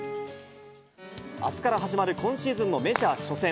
あすから始まる今シーズンのメジャー初戦。